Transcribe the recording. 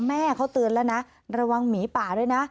แม่เขาเตือนแล้วนะระวังหมีป่าด้วยนะ